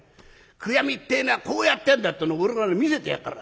悔やみってえのはこうやってやんだっての俺がね見せてやるから。